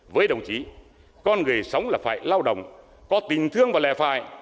với đồng chí con người sống là phải lao động có tình thương và lè phải